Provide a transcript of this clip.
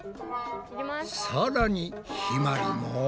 さらにひまりも。